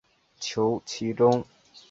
求其中